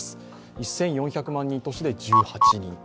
１４００万人都市で１８人と。